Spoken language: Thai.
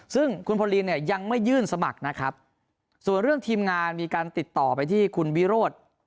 ซึ่งคุณพอลีนเนี่ยยังไม่ยื่นสมัครนะครับส่วนเรื่องทีมงานมีการติดต่อไปที่คุณวิโรธ